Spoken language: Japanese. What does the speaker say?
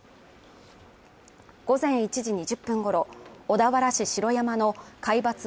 午前１時２０分ごろ、小田原市城山の海抜